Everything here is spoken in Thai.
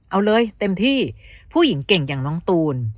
เอาเลยเต็มที่ผู้หญิงเก่งอย่างน้องตูน